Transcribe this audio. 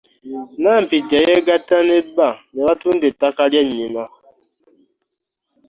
Nampijja yeegatta ne bba ne batunda ettaka lya nnyina.